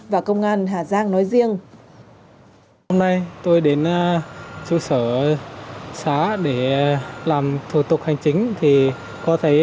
và công an hà giang nói riêng